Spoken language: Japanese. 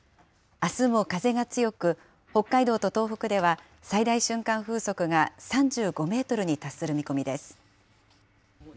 あすも風が強く、北海道と東北では、最大瞬間風速が３５メートルに達する見込みです。